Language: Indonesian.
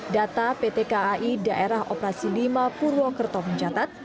data pt kai daerah operasi lima purwokerto mencatat